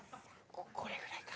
これぐらいか。